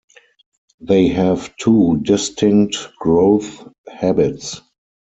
They have two distinct growth habits.